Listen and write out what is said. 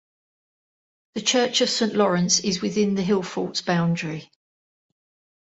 The church of Saint Lawrence is within the hillfort's boundary.